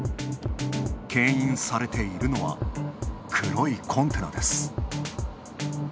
けん引されているのは、黒いコンテナです。